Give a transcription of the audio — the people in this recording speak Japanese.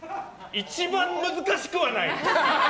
一番難しくはない！